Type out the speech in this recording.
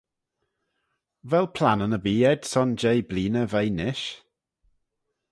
Vel plannyn erbee ayd son jeih bleeaney veih nish?